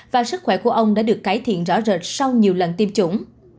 và sức khỏe của ông đã được cải thiện rõ rệt sau nhiều lần tiêm chủng